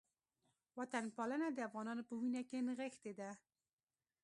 وطنپالنه د افغانانو په وینه کې نغښتې ده